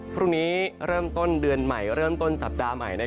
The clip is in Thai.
พรุ่งนี้เริ่มต้นเดือนใหม่เริ่มต้นสัปดาห์ใหม่